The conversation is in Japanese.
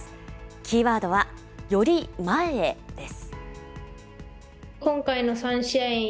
キーワードは、より前へです。